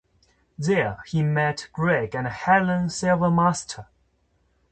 There he met Greg and Helen Silvermaster.